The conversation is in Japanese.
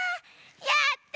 やった！